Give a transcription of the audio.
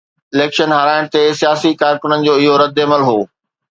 Election هارائڻ تي سياسي ڪارڪنن جو اهو ردعمل هو.